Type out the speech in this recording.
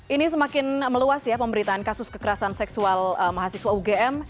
ini semakin meluas ya pemberitaan kasus kekerasan seksual mahasiswa ugm